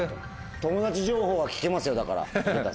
友達情報は聞けますよだから井桁さん。